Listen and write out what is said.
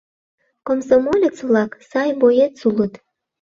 Комсомолец-влак сай боец улыт.